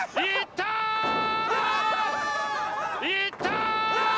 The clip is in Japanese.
いった！